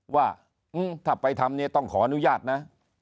ว่าถ้าไปทำเนี่ยต้องขออนุญาตนะ